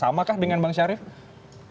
samakah dengan bang syarif